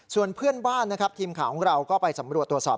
ส่วนเพื่อนบ้านนะครับทีมข่าวของเราก็ไปสำรวจตรวจสอบ